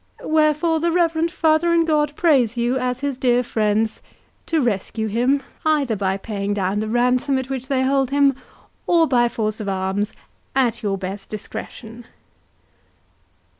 Wherefore the reverend father in God prays you, as his dear friends, to rescue him, either by paying down the ransom at which they hold him, or by force of arms, at your best discretion."